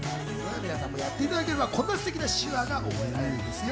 加藤さんもやっていただければ、こんなすてきな手話が覚えられるんですよ。